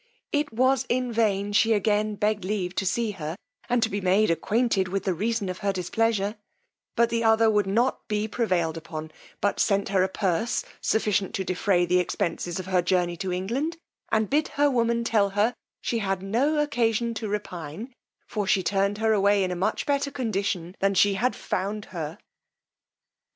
It was in vain she again begged leave to see her, and to be made acquainted with the reason of her displeasure; but the other would not be prevailed upon, but sent her a purse sufficient to defray the expences of her journey to England, and bid her woman tell her she had no occasion to repine, for she turned her away in a much better condition than she had found her.